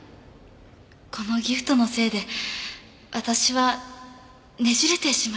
このギフトのせいで私はねじれてしまいました。